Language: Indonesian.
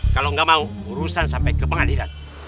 kalau nggak mau urusan sampai ke pengadilan